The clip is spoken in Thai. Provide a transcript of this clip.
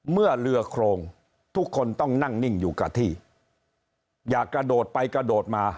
เมื่อเรือโครงทุกคนต้องนั่งนิ่งอยู่กับที่อย่ากระโดดไปกระโดดมา